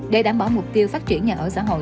để đảm bảo mục tiêu phát triển nhà ở xã hội